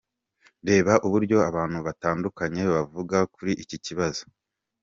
Reba uburyo abantu batandukanye bavuga kuri iki kibazo.